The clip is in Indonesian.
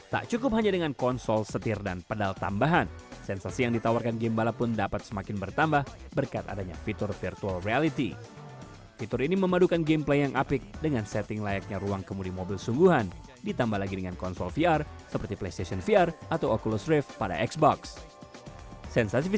tengah tengah sangat baik dengan kondisi ini